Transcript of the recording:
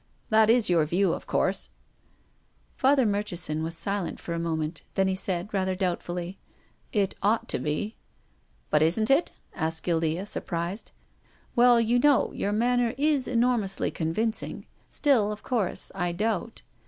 That is your view of course ?" Father Murchison was silent for a moment. Then he said, rather doubtfully :" It ought to be." " But isn't it ?" asked Guildea, surprised. " Well, you know, your manner is enormously convincing. Still, of course, I doubt.